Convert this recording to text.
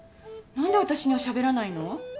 何で私にはしゃべらないの？